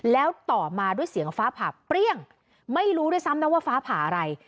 แล้วต่อมาด้วยเสียงฟ้าผ่าเปรี้ยงไม่รู้ด้วยซ้ำนะว่าฟ้าผ่าอะไร